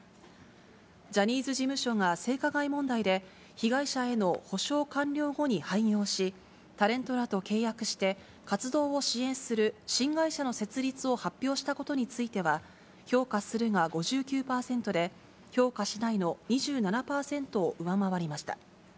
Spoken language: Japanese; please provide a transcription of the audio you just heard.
ジャニーズ事務所が性加害問題で、被害者への補償完了後に廃業し、タレントらと契約して活動を支援する新会社の設立を発表したことについては、評価するが５９％で、評価しないの２７％を上回りました。